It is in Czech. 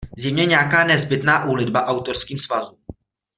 Zjevně nějaká nezbytná úlitba autorským svazům...